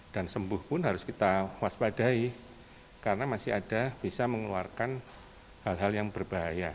dan sembuh pun harus kita waspadai karena masih ada bisa mengeluarkan hal hal yang berbahaya